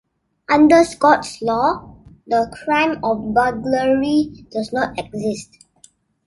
Under Scots law, the crime of burglary does not exist.